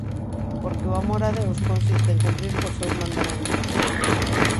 Porque o amor a Deus consiste en cumprir cos seus mandamentos.